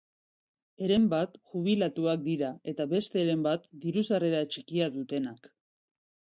Heren bat jubilatuak dira eta beste heren bat diru-sarrera txikia dutenak.